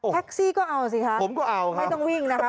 แท็กซี่ก็เอาสิคะผมก็เอาไม่ต้องวิ่งนะคะ